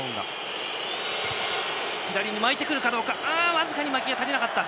僅かに巻きが足りなかった。